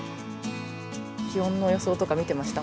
気温の予想とか見てました？